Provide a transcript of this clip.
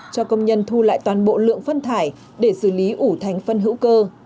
cho công nhân thu lại toàn bộ lượng phân thải để xử lý ủ thành phân hữu cơ